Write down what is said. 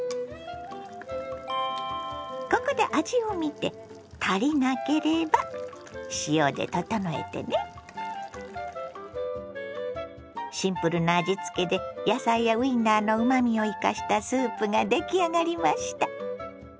ここでシンプルな味付けで野菜やウインナーのうまみを生かしたスープが出来上がりました。